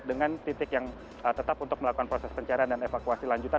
dengan titik yang tetap untuk melakukan proses pencarian dan evakuasi lanjutan